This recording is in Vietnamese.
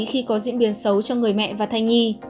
khi có diễn biến xấu cho người mẹ và thai nhi